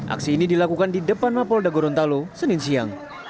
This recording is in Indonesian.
aksi ini dilakukan di depan mapolda gorontalo senin siang